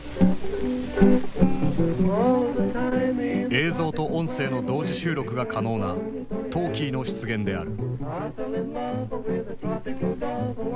映像と音声の同時収録が可能なトーキーの出現である。